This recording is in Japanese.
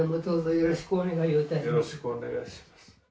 よろしくお願いします。